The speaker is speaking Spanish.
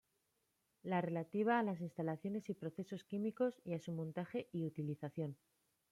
La relativa a las instalaciones y procesos químicos y a su montaje y utilización.